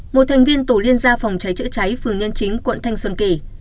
một thành viên tổ liên gia phòng cháy chữa cháy phường nhân chính quận thanh xuân kỳ